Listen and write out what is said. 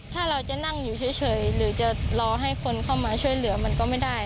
ถ้าเราจะนั่งอยู่เฉยหรือจะรอให้คนเข้ามาช่วยเหลือมันก็ไม่ได้